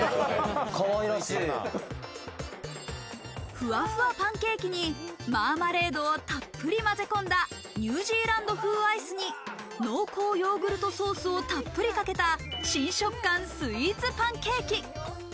ふわふわパンケーキにマーマレードをたっぷり混ぜ込んだニュージーランド風アイスに、濃厚ヨーグルトソースをたっぷりかけた、新食感スイーツパンケーキ。